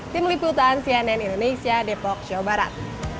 di meliputan cnn indonesia depok sjo barat